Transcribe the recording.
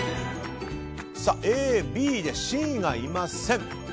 Ａ、ＢでＣがいません。